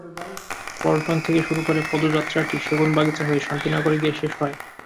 পল্টন থেকে শুরু করে পদযাত্রাটি সেগুনবাগিচা হয়ে শান্তিনগরে গিয়ে শেষ হয়।